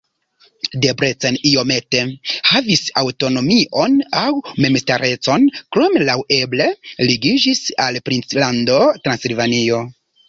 Debrecen iomete havis aŭtonomion aŭ memstarecon, krome laŭeble ligiĝis al princlando Transilvanio.